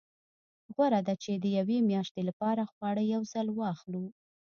غوره ده چې د یوې میاشتې لپاره خواړه په یو ځل واخلو.